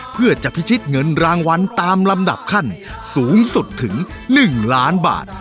เพื่อจะพิชิตเงินรางวัลตามลำดับขั้นสูงสุดถึง๑ล้านบาท